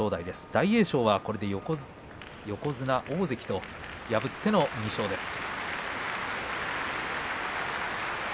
大栄翔は横綱、大関と破っての２勝です。